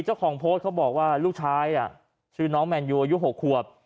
เจ้าของโพสต์เขาบอกว่าลูกชายชื่อน้องแมนยูอายุ๖ขวบ